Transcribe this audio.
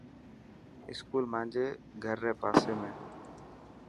اسڪول مانجي گھر ري پاسي ۾.